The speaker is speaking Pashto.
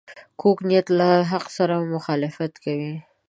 کوږ نیت له حق سره مخالفت کوي